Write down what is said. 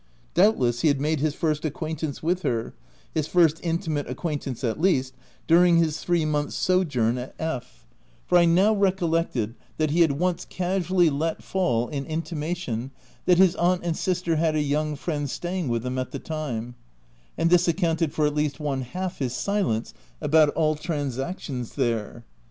Doubtless he had made his first acquaintance with her — his first intimate acquaintance at least — during his three months' sojourn at F —, for I now re collected that he had once casually let fall an 294 THE TENANT intimation that his aunt and sister had a young friend staying with them at the time, and this accounted for at least one half his silence about all transactions there.